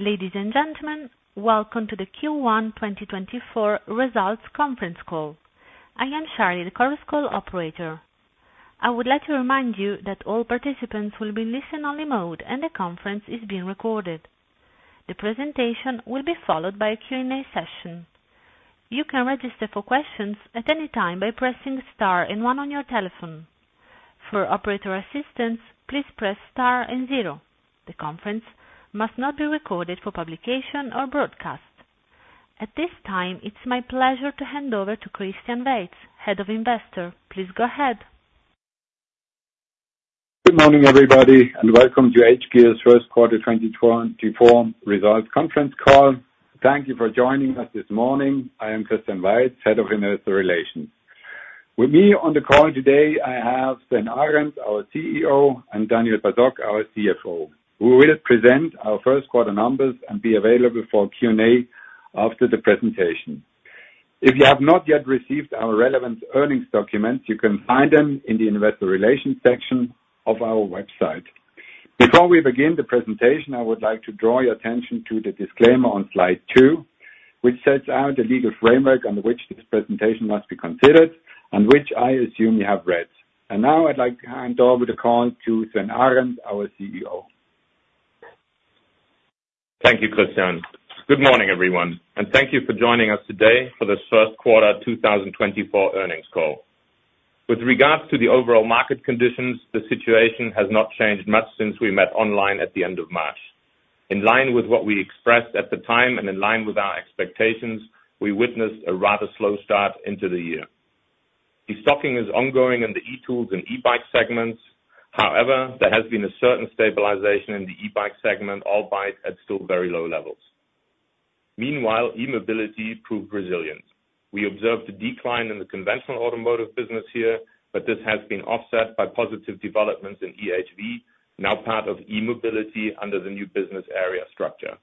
Ladies and gentlemen, welcome to the Q1 2024 Results Conference Call. I am Shari, the call's call operator. I would like to remind you that all participants will be in listen-only mode and the conference is being recorded. The presentation will be followed by a Q&A session. You can register for questions at any time by Pressing Star and 1 on your telephone. For operator assistance, please Press Star and 0. The conference must not be recorded for publication or broadcast. At this time, it's my pleasure to hand over to Christian Weiz, Head of Investor. Please go ahead. Good morning, everybody, and welcome to hGears' first quarter 2024 Results Conference Call. Thank you for joining us this morning. I am Christian Weiz, Head of Investor Relations. With me on the call today, I have Sven Arend, our CEO, and Daniel Basok, our CFO, who will present our first quarter numbers and be available for Q&A after the presentation. If you have not yet received our relevant earnings documents, you can find them in the Investor Relations section of our website. Before we begin the presentation, I would like to draw your attention to the disclaimer on slide two which sets out the legal framework under which this presentation must be considered and which I assume you have read. Now I'd like to hand over the call to Sven Arend, our CEO. Thank you, Christian. Good morning, everyone, and thank you for joining us today for this first quarter 2024 earnings call. With regards to the overall market conditions, the situation has not changed much since we met online at the end of March. In line with what we expressed at the time and in line with our expectations, we witnessed a rather slow start into the year. The stocking is ongoing in the e-tools and e-bike segments. However, there has been a certain stabilization in the e-bike segment, albeit at still very low levels. Meanwhile, e-mobility proved resilient. We observed a decline in the conventional automotive business here, but this has been offset by positive developments in EHV, now part of e-mobility under the new business area structure.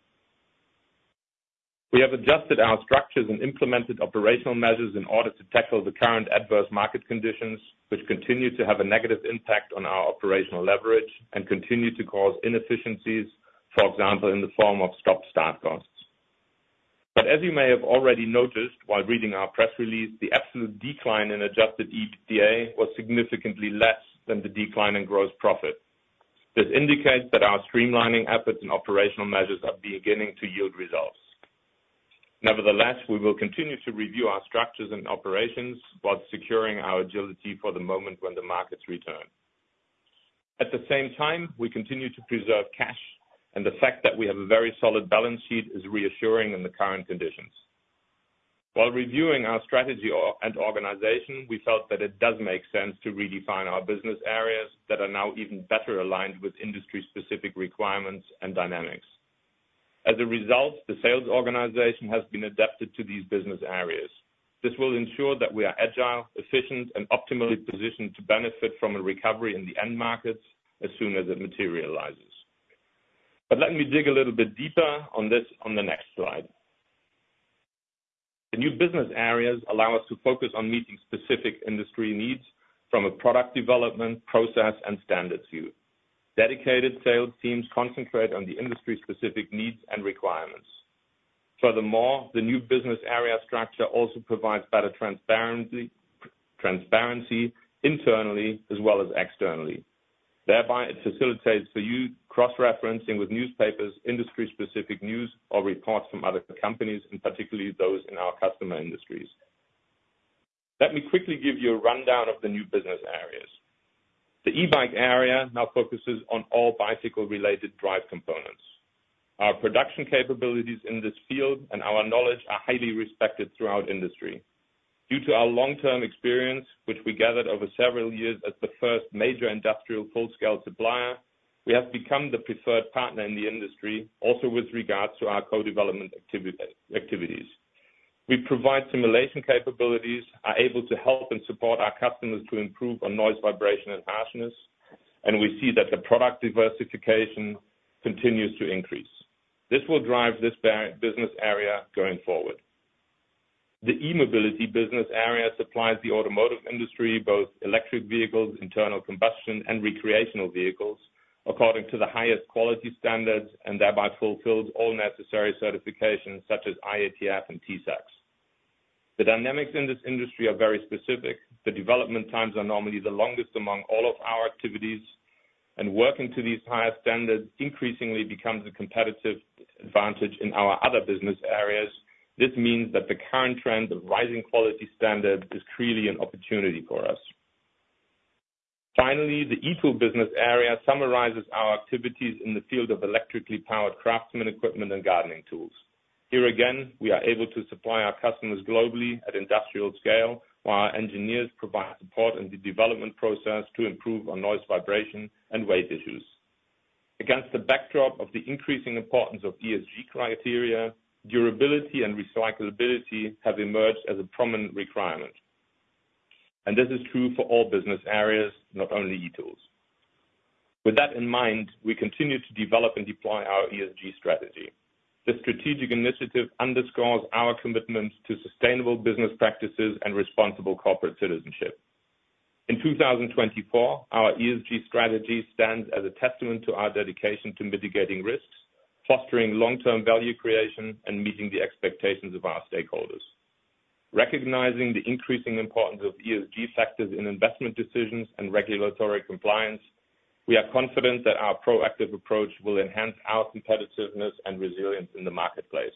We have adjusted our structures and implemented operational measures in order to tackle the current adverse market conditions, which continue to have a negative impact on our operational leverage and continue to cause inefficiencies, for example, in the form of stop-start costs. But as you may have already noticed while reading our press release, the absolute decline in adjusted EBITDA was significantly less than the decline in gross profit. This indicates that our streamlining efforts and operational measures are beginning to yield results. Nevertheless, we will continue to review our structures and operations while securing our agility for the moment when the markets return. At the same time, we continue to preserve cash, and the fact that we have a very solid balance sheet is reassuring in the current conditions. While reviewing our strategy and organization, we felt that it does make sense to redefine our business areas that are now even better aligned with industry-specific requirements and dynamics. As a result, the sales organization has been adapted to these business areas. This will ensure that we are agile, efficient, and optimally positioned to benefit from a recovery in the end markets as soon as it materializes. But let me dig a little bit deeper on this on the next slide. The new business areas allow us to focus on meeting specific industry needs from a product development, process, and standards view. Dedicated sales teams concentrate on the industry-specific needs and requirements. Furthermore, the new business area structure also provides better transparency internally as well as externally. Thereby, it facilitates for you cross-referencing with newspapers, industry-specific news, or reports from other companies, and particularly those in our customer industries. Let me quickly give you a rundown of the new business areas. The e-Bike area now focuses on all bicycle-related drive components. Our production capabilities in this field and our knowledge are highly respected throughout industry. Due to our long-term experience, which we gathered over several years as the first major industrial full-scale supplier, we have become the preferred partner in the industry, also with regards to our co-development activities. We provide simulation capabilities, are able to help and support our customers to improve on noise, vibration, and harshness, and we see that the product diversification continues to increase. This will drive this business area going forward. The e-Mobility business area supplies the automotive industry both electric vehicles, internal combustion, and recreational vehicles according to the highest quality standards and thereby fulfills all necessary certifications such as IATF and TISAX. The dynamics in this industry are very specific. The development times are normally the longest among all of our activities, and working to these higher standards increasingly becomes a competitive advantage in our other business areas. This means that the current trend of rising quality standards is clearly an opportunity for us. Finally, the e-Tools business area summarizes our activities in the field of electrically powered craftsman equipment and gardening tools. Here again, we are able to supply our customers globally at industrial scale while our engineers provide support in the development process to improve on noise, vibration, and weight issues. Against the backdrop of the increasing importance of ESG criteria, durability and recyclability have emerged as a prominent requirement. This is true for all business areas, not only e-Tools. With that in mind, we continue to develop and deploy our ESG strategy. This strategic initiative underscores our commitment to sustainable business practices and responsible corporate citizenship. In 2024, our ESG strategy stands as a testament to our dedication to mitigating risks, fostering long-term value creation, and meeting the expectations of our stakeholders. Recognizing the increasing importance of ESG factors in investment decisions and regulatory compliance, we are confident that our proactive approach will enhance our competitiveness and resilience in the marketplace.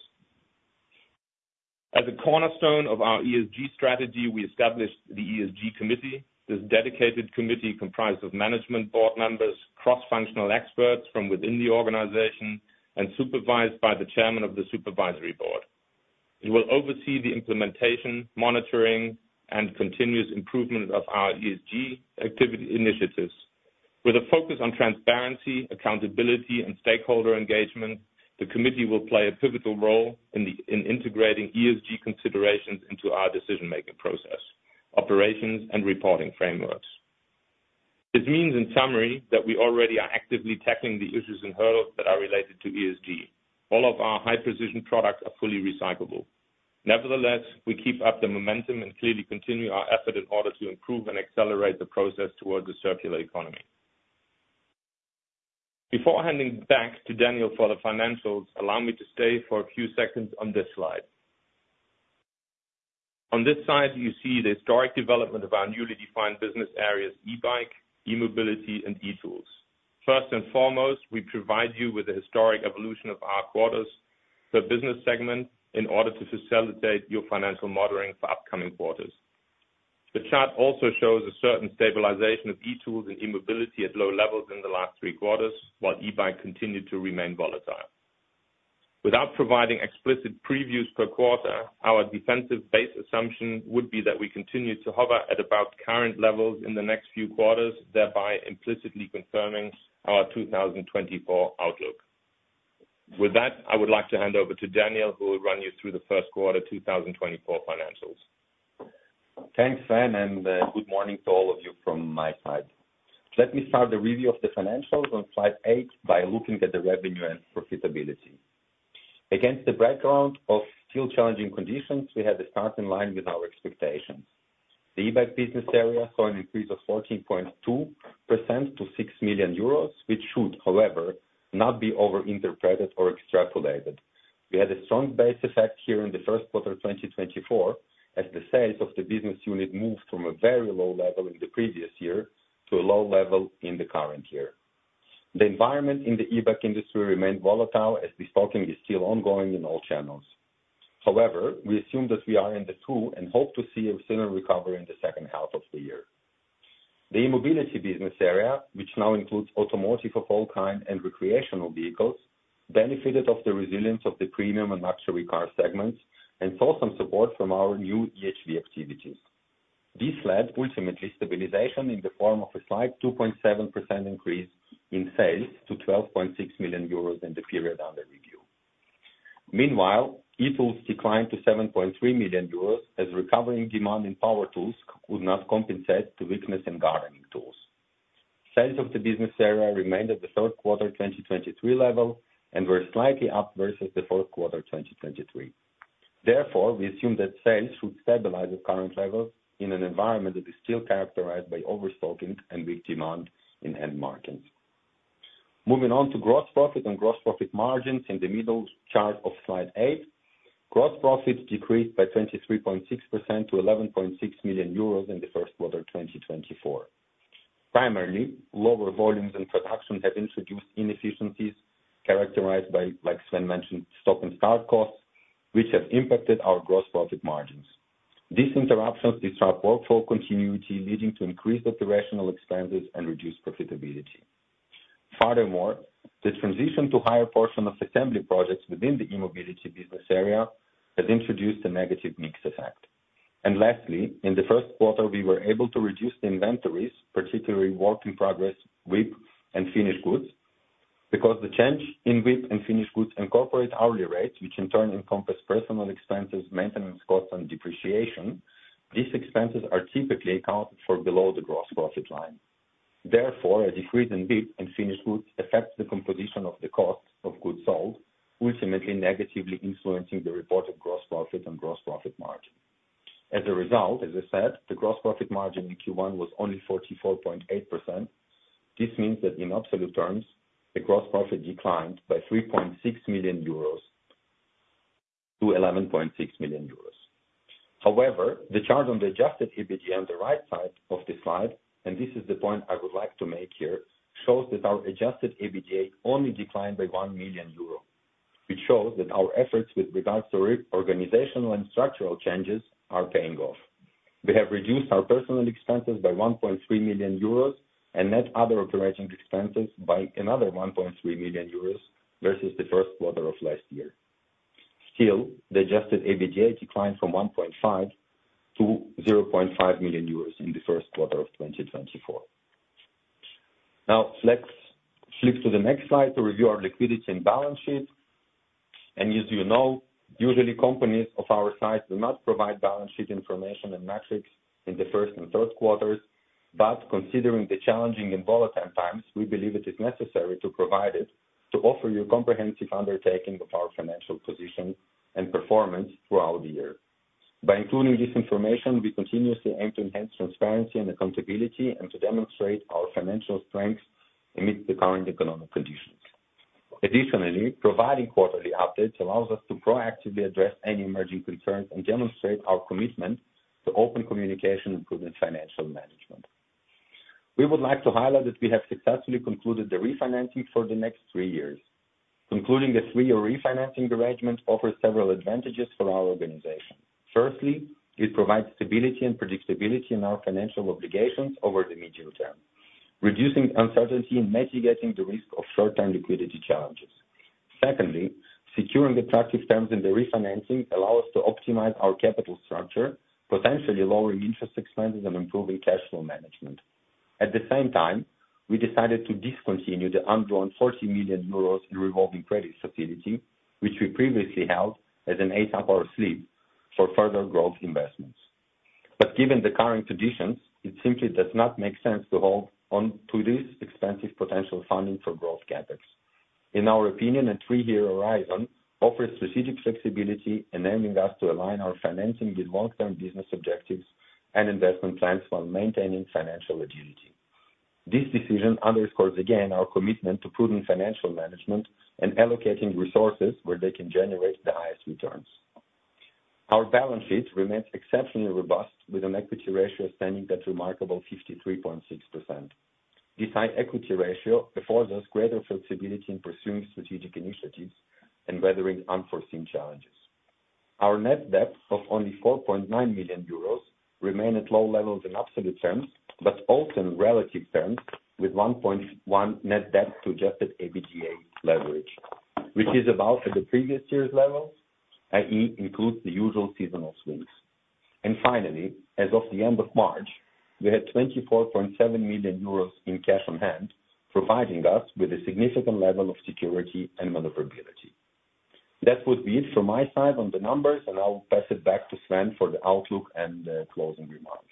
As a cornerstone of our ESG strategy, we established the ESG committee. This dedicated committee comprises management board members, cross-functional experts from within the organization, and is supervised by the chairman of the supervisory board. It will oversee the implementation, monitoring, and continuous improvement of our ESG activity initiatives. With a focus on transparency, accountability, and stakeholder engagement, the committee will play a pivotal role in integrating ESG considerations into our decision-making process, operations, and reporting frameworks. This means, in summary, that we already are actively tackling the issues and hurdles that are related to ESG. All of our high-precision products are fully recyclable. Nevertheless, we keep up the momentum and clearly continue our effort in order to improve and accelerate the process towards a circular economy. Before handing back to Daniel for the financials, allow me to stay for a few seconds on this slide. On this slide, you see the historic development of our newly defined business areas: e-bike, e-mobility, and e-tools. First and foremost, we provide you with a historic evolution of our quarters per business segment in order to facilitate your financial monitoring for upcoming quarters. The chart also shows a certain stabilization of e-tools and e-mobility at low levels in the last three quarters while e-bike continued to remain volatile. Without providing explicit previews per quarter, our defensive base assumption would be that we continue to hover at about current levels in the next few quarters, thereby implicitly confirming our 2024 outlook. With that, I would like to hand over to Daniel, who will run you through the first quarter 2024 financials. Thanks, Sven, and good morning to all of you from my side. Let me start the review of the financials on slide eight by looking at the revenue and profitability. Against the background of still challenging conditions, we had to start in line with our expectations. The e-bike business area saw an increase of 14.2% to 6 million euros, which should, however, not be overinterpreted or extrapolated. We had a strong base effect here in the first quarter 2024 as the sales of the business unit moved from a very low level in the previous year to a low level in the current year. The environment in the e-bike industry remained volatile as the stocking is still ongoing in all channels. However, we assume that we are in the two and hope to see a similar recovery in the second half of the year. The E-Mobility business area, which now includes automotive of all kind and recreational vehicles, benefited from the resilience of the premium and luxury car segments and saw some support from our new EHV activities. This led, ultimately, to stabilization in the form of a slight 2.7% increase in sales to 12.6 million euros in the period under review. Meanwhile, E-Tools declined to 7.3 million euros as recovering demand in power tools could not compensate for the weakness in gardening tools. Sales of the business area remained at the third quarter 2023 level and were slightly up versus the fourth quarter 2023. Therefore, we assume that sales should stabilize at current levels in an environment that is still characterized by overstocking and weak demand in end markets. Moving on to gross profit and gross profit margins in the middle chart of slide eight, gross profit decreased by 23.6% to 11.6 million euros in the first quarter 2024. Primarily, lower volumes and production have introduced inefficiencies characterized by, like Sven mentioned, stop-and-start costs, which have impacted our gross profit margins. These interruptions disrupt workflow continuity, leading to increased operational expenses and reduced profitability. Furthermore, the transition to a higher portion of assembly projects within the e-mobility business area has introduced a negative mix effect. Lastly, in the first quarter, we were able to reduce the inventories, particularly work-in-progress WIP and finished goods. Because the change in WIP and finished goods incorporates hourly rates, which in turn encompass personal expenses, maintenance costs, and depreciation, these expenses are typically accounted for below the gross profit line. Therefore, a decrease in WIP and finished goods affects the composition of the costs of goods sold, ultimately negatively influencing the reported gross profit and gross profit margin. As a result, as I said, the gross profit margin in Q1 was only 44.8%. This means that in absolute terms, the gross profit declined by 3.6 million euros to 11.6 million euros. However, the chart on the adjusted EBITDA on the right side of the slide - and this is the point I would like to make here - shows that our adjusted EBITDA only declined by 1 million euro, which shows that our efforts with regards to organizational and structural changes are paying off. We have reduced our personnel expenses by 1.3 million euros and net other operating expenses by another 1.3 million euros versus the first quarter of last year. Still, the adjusted EBITDA declined from 1.5 million to 0.5 million euros in the first quarter of 2024. Now, flip to the next slide to review our liquidity and balance sheet. As you know, usually companies of our size do not provide balance sheet information and metrics in the first and third quarters. Considering the challenging and volatile times, we believe it is necessary to provide it to offer you a comprehensive understanding of our financial position and performance throughout the year. By including this information, we continuously aim to enhance transparency and accountability and to demonstrate our financial strengths amidst the current economic conditions. Additionally, providing quarterly updates allows us to proactively address any emerging concerns and demonstrate our commitment to open communication and prudent financial management. We would like to highlight that we have successfully concluded the refinancing for the next three years. Concluding a three-year refinancing arrangement offers several advantages for our organization. Firstly, it provides stability and predictability in our financial obligations over the medium term, reducing uncertainty and mitigating the risk of short-term liquidity challenges. Secondly, securing attractive terms in the refinancing allows us to optimize our capital structure, potentially lowering interest expenses and improving cash flow management. At the same time, we decided to discontinue the undrawn 40 million euros in revolving credit facility, which we previously held as an eight-hour sleep for further growth investments. But given the current conditions, it simply does not make sense to hold onto this expensive potential funding for growth Capex. In our opinion, a three-year horizon offers strategic flexibility, enabling us to align our financing with long-term business objectives and investment plans while maintaining financial agility. This decision underscores, again, our commitment to prudent financial management and allocating resources where they can generate the highest returns. Our balance sheet remains exceptionally robust, with an equity ratio standing at a remarkable 53.6%. This high equity ratio affords us greater flexibility in pursuing strategic initiatives and weathering unforeseen challenges. Our net debt of only 4.9 million euros remains at low levels in absolute terms but also in relative terms, with 1.1 net debt to adjusted EBITDA leverage, which is about at the previous year's levels, i.e., includes the usual seasonal swings. And finally, as of the end of March, we had 24.7 million euros in cash on hand, providing us with a significant level of security and maneuverability. That would be it from my side on the numbers, and I'll pass it back to Sven for the outlook and closing remarks.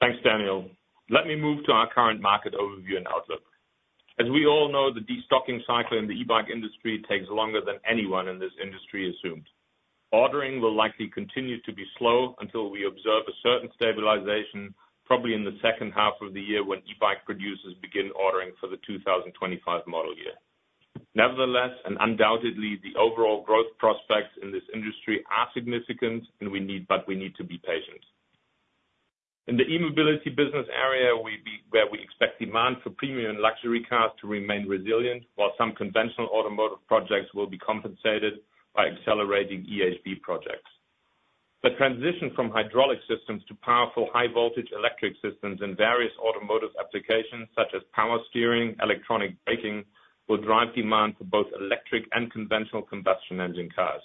Thanks, Daniel. Let me move to our current market overview and outlook. As we all know, the destocking cycle in the e-Bike industry takes longer than anyone in this industry assumed. Ordering will likely continue to be slow until we observe a certain stabilization, probably in the second half of the year when e-Bike producers begin ordering for the 2025 model year. Nevertheless, and undoubtedly, the overall growth prospects in this industry are significant, and we need but we need to be patient. In the e-Mobility business area, where we expect demand for premium and luxury cars to remain resilient, while some conventional automotive projects will be compensated by accelerating EHV projects. The transition from hydraulic systems to powerful high-voltage electric systems in various automotive applications, such as power steering and electronic braking, will drive demand for both electric and conventional combustion engine cars.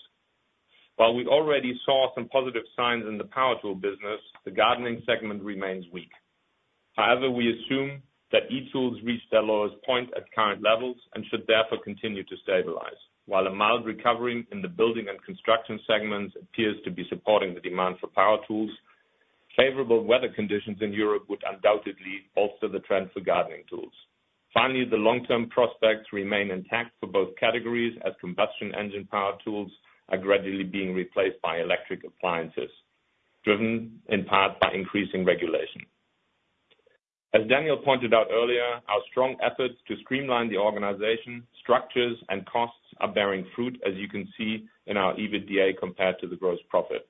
While we already saw some positive signs in the power tool business, the gardening segment remains weak. However, we assume that e-tools reach their lowest point at current levels and should therefore continue to stabilize. While a mild recovery in the building and construction segments appears to be supporting the demand for power tools, favorable weather conditions in Europe would undoubtedly bolster the trend for gardening tools. Finally, the long-term prospects remain intact for both categories, as combustion engine power tools are gradually being replaced by electric appliances, driven in part by increasing regulation. As Daniel pointed out earlier, our strong efforts to streamline the organization, structures, and costs are bearing fruit, as you can see in our EBITDA compared to the gross profit.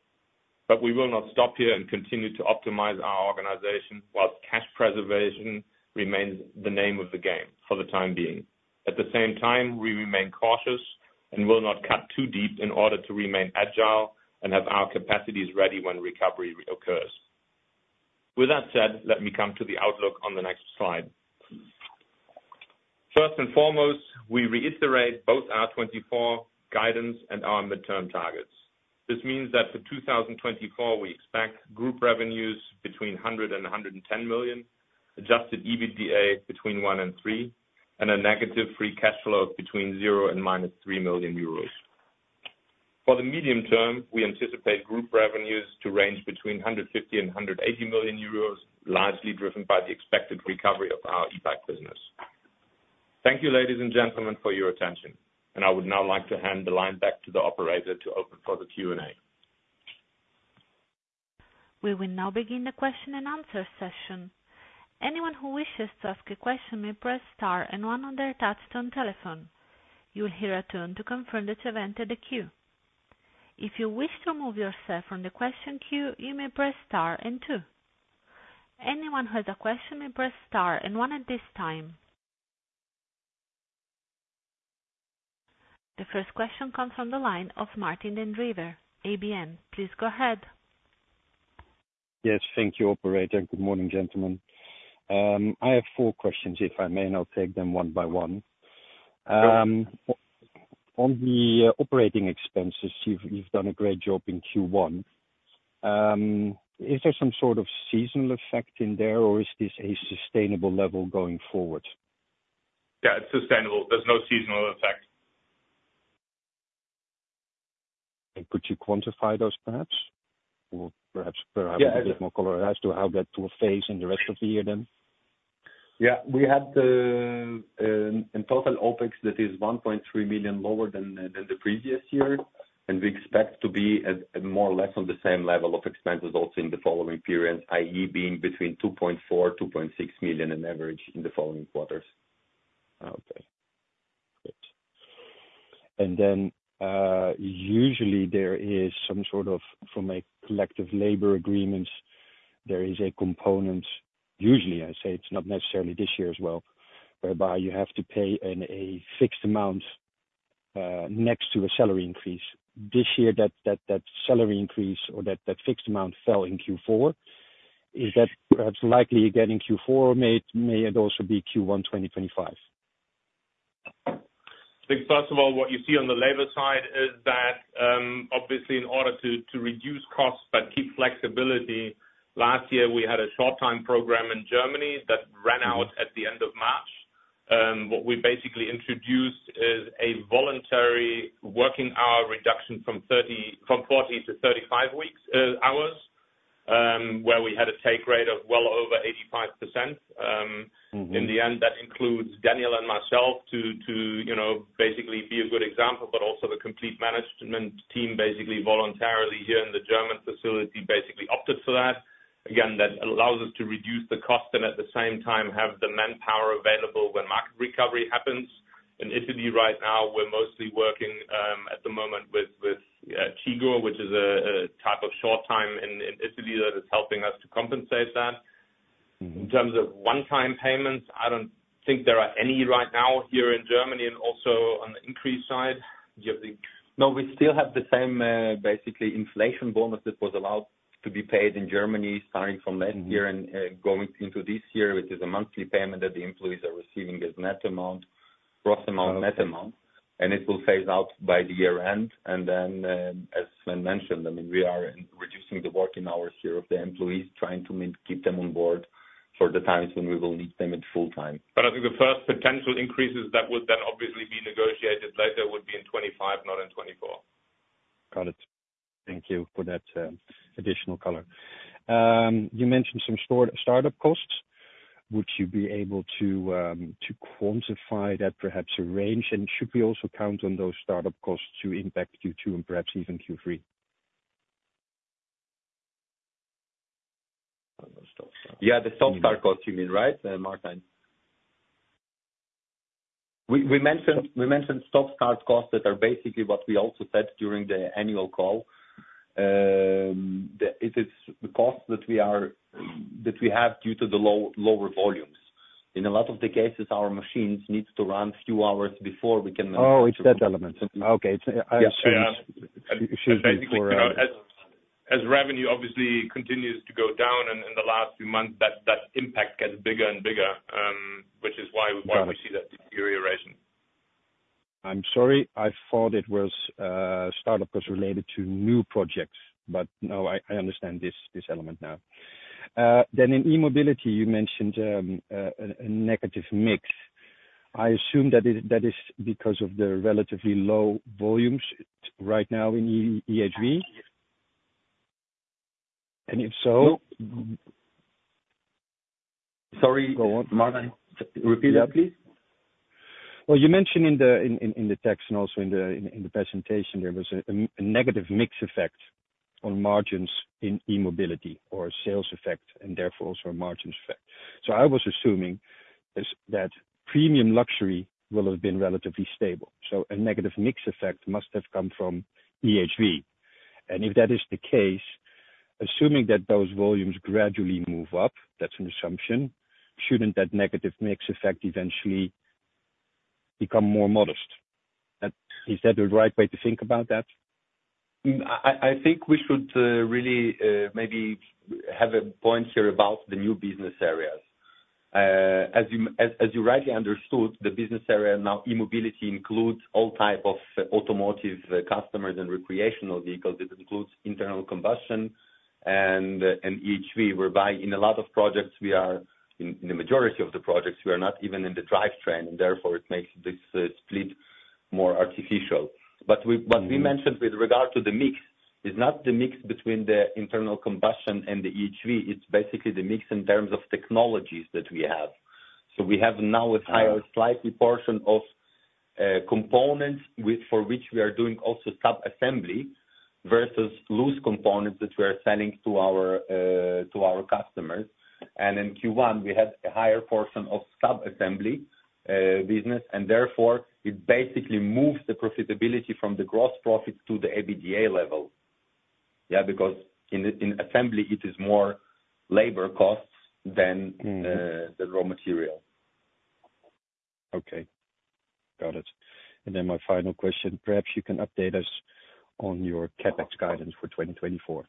But we will not stop here and continue to optimize our organization whilst cash preservation remains the name of the game for the time being. At the same time, we remain cautious and will not cut too deep in order to remain agile and have our capacities ready when recovery occurs. With that said, let me come to the outlook on the next slide. First and foremost, we reiterate both our 2024 guidance and our midterm targets. This means that for 2024, we expect group revenues between 100 million and 110 million, adjusted EBITDA between 1 million and 3 million, and a negative free cash flow of between zero million euros and EUR three million. For the medium term, we anticipate group revenues to range between 150 million euros and 180 million euros, largely driven by the expected recovery of our e-bike business. Thank you, ladies and gentlemen, for your attention. I would now like to hand the line back to the operator to open for the Q&A. We will now begin the question and answer session. Anyone who wishes to ask a question may press star and one on their touchscreen telephone. You will hear a tone to confirm that you have entered the queue. If you wish to remove yourself from the question queue, you may Press Star and two. Anyone who has a question may press star and one at this time. The first question comes from the line of Martijn den Drijver, ABN AMRO. Please go ahead. Yes. Thank you, operator. Good morning, gentlemen. I have four questions, if I may, and I'll take them one by one. On the operating expenses, you've done a great job in Q1. Is there some sort of seasonal effect in there, or is this a sustainable level going forward? Yeah. It's sustainable. There's no seasonal effect. Could you quantify those, perhaps? Or perhaps they're a bit more colorized to how that will phase in the rest of the year then? Yeah. We had a total OpEx that is 1.3 million lower than the previous year, and we expect to be more or less on the same level of expenses also in the following periods, i.e., being between 2.4 million and 2.6 million on average in the following quarters. Okay. Great. And then usually, there is some sort of from a collective labor agreements, there is a component usually. I say it's not necessarily this year as well, whereby you have to pay a fixed amount next to a salary increase. This year, that salary increase or that fixed amount fell in Q4. Is that perhaps likely again in Q4, or may it also be Q1 2025? I think first of all, what you see on the labor side is that, obviously, in order to reduce costs but keep flexibility, last year, we had a short-time program in Germany that ran out at the end of March. What we basically introduced is a voluntary working hour reduction from 40-35 hours, where we had a take rate of well over 85%. In the end, that includes Daniel and myself to basically be a good example, but also the complete management team basically voluntarily here in the German facility basically opted for that. Again, that allows us to reduce the cost and at the same time have the manpower available when market recovery happens. In Italy right now, we're mostly working at the moment with CIGO, which is a type of short-time in Italy that is helping us to compensate that. In terms of one-time payments, I don't think there are any right now here in Germany. Also on the increase side, do you have the? No, we still have the same, basically, inflation bonus that was allowed to be paid in Germany starting from last year and going into this year, which is a monthly payment that the employees are receiving as net amount, gross amount, net amount. It will phase out by the year-end. Then, as Sven mentioned, I mean, we are reducing the working hours here of the employees, trying to keep them on board for the times when we will need them at full-time. But I think the first potential increases that would then obviously be negotiated later would be in 2025, not in 2024. Got it. Thank you for that additional color. You mentioned some startup costs. Would you be able to quantify that, perhaps a range? And should we also count on those startup costs to impact Q2 and perhaps even Q3? Yeah. The stop-start cost, you mean, right, Martijn? We mentioned stop-start costs that are basically what we also said during the annual call. It is the cost that we have due to the lower volumes. In a lot of the cases, our machines need to run a few hours before we can manage to. Oh, it's that element. Okay. I assume. Excuse me for. As revenue obviously continues to go down in the last few months, that impact gets bigger and bigger, which is why we see that deterioration. I'm sorry. I thought it was startup costs related to new projects. But no, I understand this element now. Then in e-Mobility, you mentioned a negative mix. I assume that is because of the relatively low volumes right now in EHV? And if so. No. Sorry. Go on, Martin. Repeat that, please. Well, you mentioned in the text and also in the presentation, there was a negative mix effect on margins in e-mobility or a sales effect and therefore also a margins effect. So I was assuming that premium luxury will have been relatively stable. So a negative mix effect must have come from EHV. And if that is the case, assuming that those volumes gradually move up, that's an assumption, shouldn't that negative mix effect eventually become more modest? Is that the right way to think about that? I think we should really maybe have a point here about the new business areas. As you rightly understood, the business area now e-Mobility includes all type of automotive customers and recreational vehicles. It includes internal combustion and EHV, whereby in a lot of projects, we are in the majority of the projects, we are not even in the drivetrain, and therefore, it makes this split more artificial. But what we mentioned with regard to the mix is not the mix between the internal combustion and the EHV. It's basically the mix in terms of technologies that we have. So we have now a slightly portion of components for which we are doing also sub-assembly versus loose components that we are selling to our customers. In Q1, we had a higher portion of sub-assembly business, and therefore, it basically moves the profitability from the gross profit to the EBITDA level. Yeah. Because in assembly, it is more labor costs than the raw material. Okay. Got it. Then my final question. Perhaps you can update us on your CapEx guidance for 2024.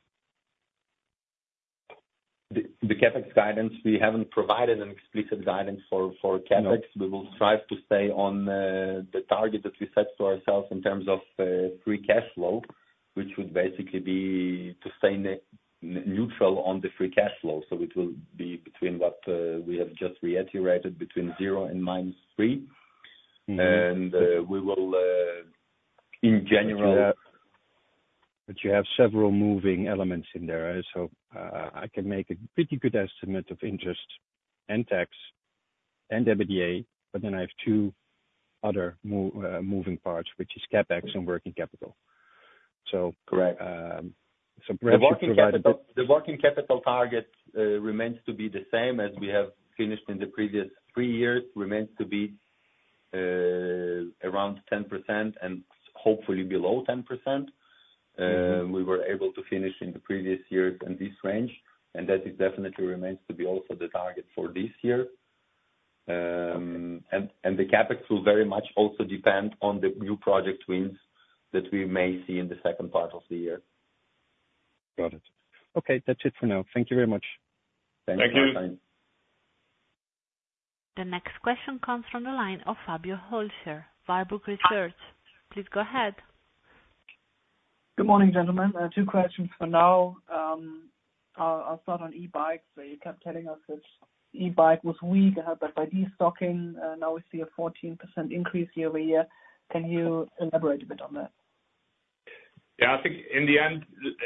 The Capex guidance, we haven't provided an explicit guidance for CapEx. We will strive to stay on the target that we set to ourselves in terms of free cash flow, which would basically be to stay neutral on the free cash flow. So it will be between what we have just reiterated, between EUR zeromillion and -3 million. And we will, in general. But you have several moving elements in there, right? So I can make a pretty good estimate of interest and tax and EBITDA, but then I have two other moving parts, which is CapEx and working capital. So perhaps you provide a. The working capital target remains to be the same as we have finished in the previous three years, remains to be around 10% and hopefully below 10%. We were able to finish in the previous years in this range, and that definitely remains to be also the target for this year. The CapEx will very much also depend on the new project wins that we may see in the second part of the year. Got it. Okay. That's it for now. Thank you very much. Thank you. Thank you. The next question comes from the line of Fabio Hölscher, Warburg Research. Please go ahead. Good morning, gentlemen. Two questions for now. I'll start on e-bikes. You kept telling us that e-bike was weak, but by destocking, now we see a 14% increase year-over-year. Can you elaborate a bit on that? Yeah. I think in the end,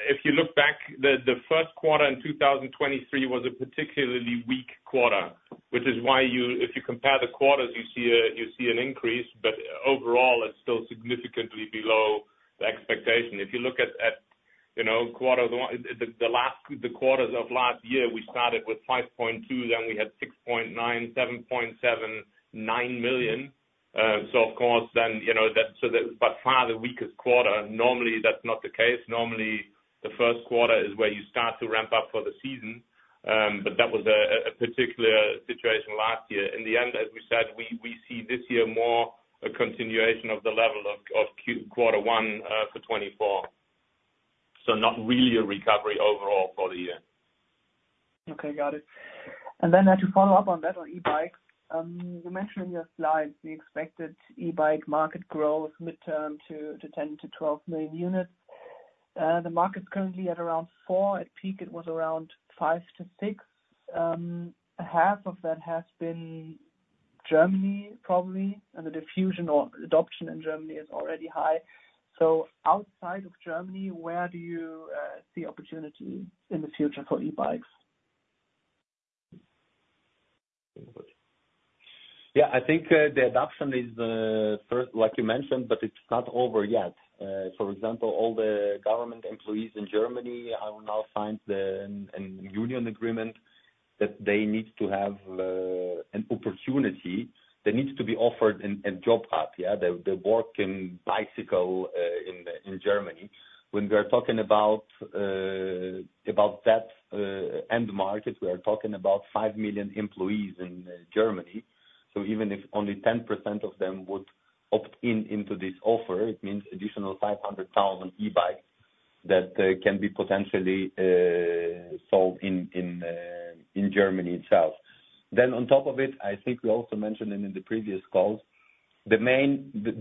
if you look back, the first quarter in 2023 was a particularly weak quarter, which is why if you compare the quarters, you see an increase, but overall, it's still significantly below the expectation. If you look at the quarters of last year, we started with 5.2 million, then we had 6.9 million, 7.7 million, 9 million. So of course, then so that's by far the weakest quarter. Normally, that's not the case. Normally, the first quarter is where you start to ramp up for the season, but that was a particular situation last year. In the end, as we said, we see this year more a continuation of the level of quarter one for 2024, so not really a recovery overall for the year. Okay. Got it. And then to follow up on that on e-bikes, you mentioned in your slides the expected e-bike market growth midterm to 10-12 million units. The market's currently at around four At peak, it was around 5-6. Half of that has been Germany, probably, and the diffusion or adoption in Germany is already high. So outside of Germany, where do you see opportunity in the future for e-bikes? Yeah. I think the adoption is, like you mentioned, but it's not over yet. For example, all the government employees in Germany have now signed a union agreement that they need to have an opportunity that needs to be offered in JobRad. Yeah. The work in bicycle in Germany. When we are talking about that end market, we are talking about 5 million employees in Germany. So even if only 10% of them would opt in into this offer, it means additional 500,000 e-bikes that can be potentially sold in Germany itself. Then on top of it, I think we also mentioned it in the previous calls, the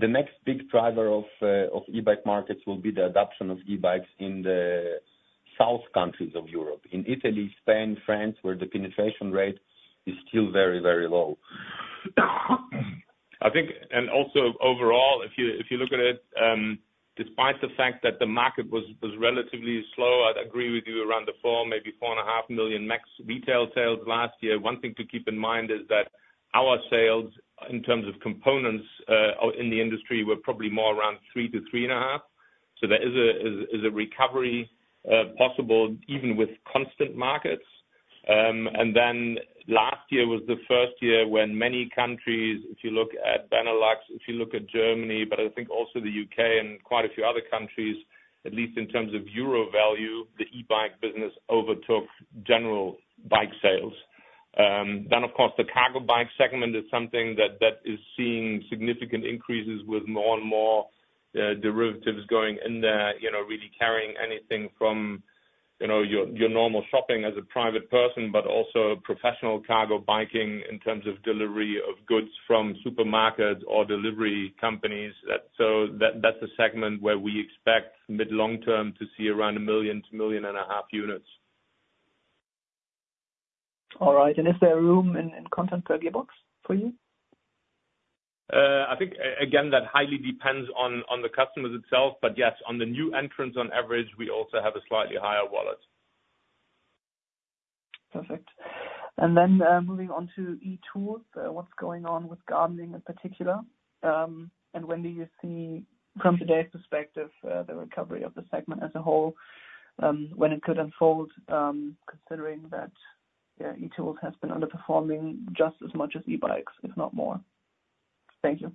next big driver of e-bike markets will be the adoption of e-bikes in the south countries of Europe, in Italy, Spain, France, where the penetration rate is still very, very low. Also overall, if you look at it, despite the fact that the market was relatively slow, I'd agree with you around 4, maybe 4.5 million max retail sales last year. One thing to keep in mind is that our sales, in terms of components in the industry, were probably more around 3-3.5. So there is a recovery possible even with constant markets. Then last year was the first year when many countries, if you look at Benelux, if you look at Germany, but I think also the UK and quite a few other countries, at least in terms of euro value, the e-bike business overtook general bike sales. Then, of course, the cargo bike segment is something that is seeing significant increases with more and more derivatives going in there, really carrying anything from your normal shopping as a private person but also professional cargo biking in terms of delivery of goods from supermarkets or delivery companies. So that's a segment where we expect mid-long-term to see around 1 million-1.5 million units. All right. Is there room in content per gearbox for you? I think, again, that highly depends on the customers itself. But yes, on the new entrants, on average, we also have a slightly higher wallet. Perfect. And then moving on to e-tools, what's going on with gardening in particular? And when do you see, from today's perspective, the recovery of the segment as a whole when it could unfold, considering that e-tools has been underperforming just as much as e-bikes, if not more? Thank you.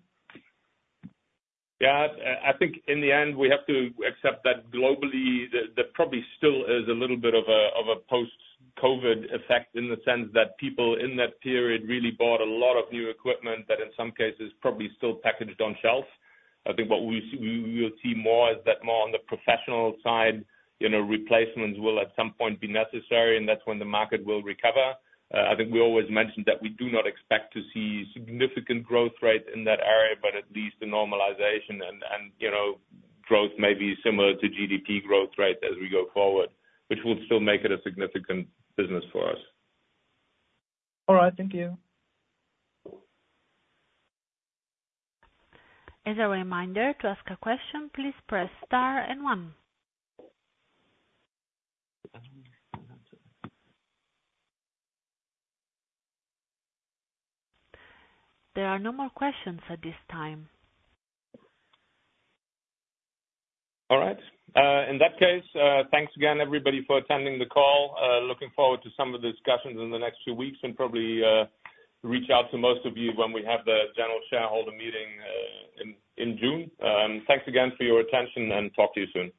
Yeah. I think in the end, we have to accept that globally, there probably still is a little bit of a post-COVID effect in the sense that people in that period really bought a lot of new equipment that in some cases probably still packaged on shelves. I think what we will see more is that more on the professional side, replacements will at some point be necessary, and that's when the market will recover. I think we always mentioned that we do not expect to see significant growth rate in that area, but at least a normalization and growth maybe similar to GDP growth rate as we go forward, which will still make it a significant business for us. All right. Thank you. As a reminder, to ask a question, please Press Star and one. There are no more questions at this time. All right. In that case, thanks again, everybody, for attending the call. Looking forward to some of the discussions in the next few weeks and probably reach out to most of you when we have the general shareholder meeting in June. Thanks again for your attention, and talk to you soon.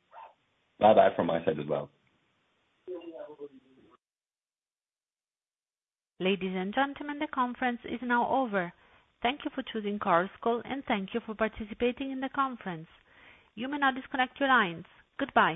Bye-bye from my side as well. Ladies and gentlemen, the conference is now over. Thank you for choosing Chorus Call, and thank you for participating in the conference. You may now disconnect your lines. Goodbye.